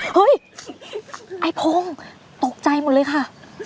เฮ้ยไอ้พงศ์ตกใจหมดเลยค่ะ